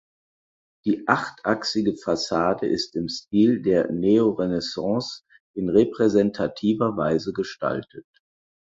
Die achtachsige Fassade ist im Stil der Neorenaissance in repräsentativer Weise gestaltet.